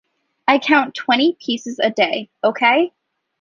I count twenty pieces a day, ok?